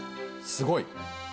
すごい？